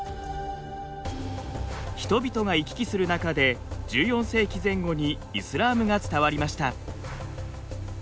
人々が行き来する中で１４世紀前後にイスラームが伝わりました。